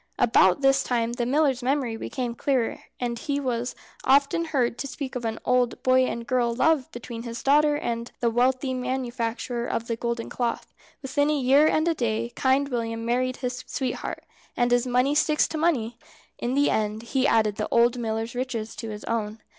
About this time the miller's memory became clearer, and he was often heard to speak of an old boy and girl love between his dear daughter and the wealthy manufacturer of the golden cloth. Within a year and a day Kind William married his sweetheart, and as money sticks to money, in the end he added the old miller's riches to his own.